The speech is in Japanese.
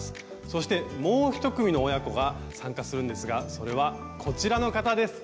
そしてもう１組の親子が参加するんですがそれはこちらの方です。